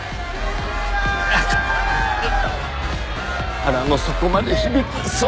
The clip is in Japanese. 腹の底まで響く騒音。